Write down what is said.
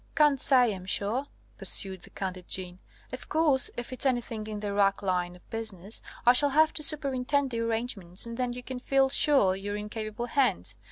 "Can't say, I'm sure," pursued the candid Jeanne. "Of course, if it's anything in the rack line of business, I shall have to superintend the arrangements, and then you can feel sure you're in capable hands.